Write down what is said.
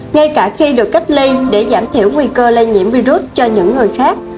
ngay cả khi được cách ly để giảm thiểu nguy cơ lây nhiễm virus cho những người khác